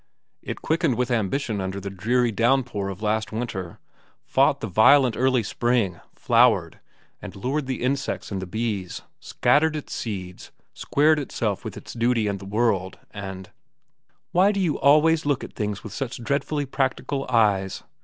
"It quickened with ambition under the dreary downpour of last winter, fought the violent early spring, flowered, and lured the insects and the bees, scattered its seeds, squared itself with its duty and the world, and—" "Why do you always look at things with such dreadfully practical eyes?"